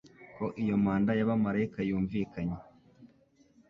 ko iyo impanda y'abamarayika yumvikanye